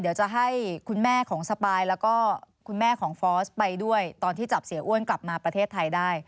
เดี๋ยวจะให้คุณแม่ของสปายแล้วก็คุณแม่ของฟอสไปด้วยตอนที่จับเสียอ้วนกลับมาประเทศไทยได้